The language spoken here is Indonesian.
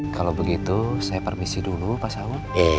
kalau begitu saya permisi dulu pasahu